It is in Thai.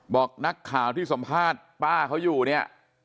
บอกนักข่าวที่สัมภาษณ์ป้าเขาอยู่เนี่ย